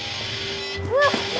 うわっ。